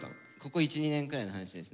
ここ１２年くらいの話ですね。